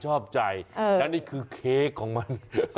ชอบใจและนี่คือเค้กของมัน